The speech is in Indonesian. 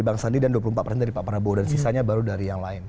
jangan dipreset presetkan dong